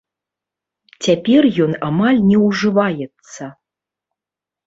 Цяпер ён амаль не ўжываецца.